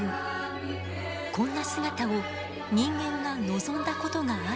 こんな姿を人間が望んだことがあるでしょうか？